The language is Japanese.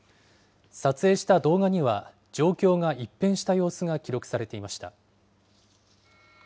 撮影した動画には、状況が一変した様子が記録されていました。